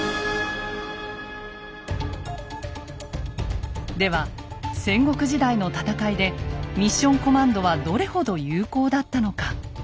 まさにでは戦国時代の戦いでミッション・コマンドはどれほど有効だったのか。